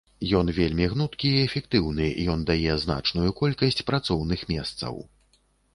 Ён вельмі гнуткі і эфектыўны, ён дае значную колькасць працоўных месцаў.